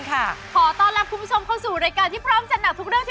คุณลูกคะคุณลูกไม่รู้ตัวเหรอคะ